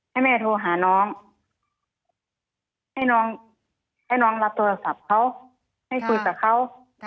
ให้แม่โทรหาน้องให้น้องให้น้องรับโทรศัพท์เขาให้คุยกับเขา